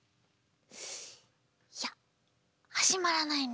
いやはじまらないね。